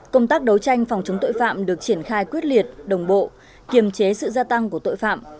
công tác đấu tranh phòng chống tội phạm được triển khai quyết liệt đồng bộ kiềm chế sự gia tăng của tội phạm